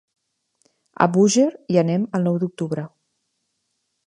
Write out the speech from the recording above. A Búger hi anem el nou d'octubre.